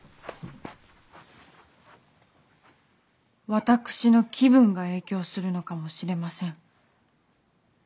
私の気分が影響するのかもしれません。